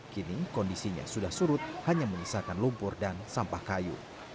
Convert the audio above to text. kini kondisinya sudah surut hanya menyisakan lumpur dan sampah kayu